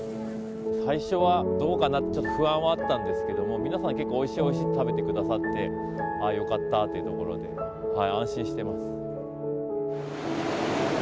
最初は、どうかなって、ちょっと不安はあったんですけども、皆さん、結構、おいしいおいしいって食べてくださって、ああ、よかったっていうところで、安心してます。